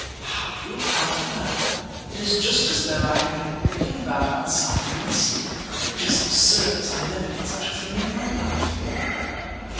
How do you account for that? It is just as though I had been walking about outside in my sleep, which is absurd, as I never did such a thing in my life."